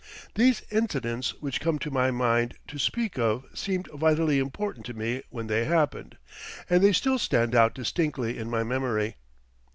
These incidents which come to my mind to speak of seemed vitally important to me when they happened, and they still stand out distinctly in my memory.